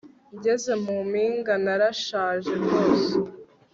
ngeze mu mpinga, narashaje rwose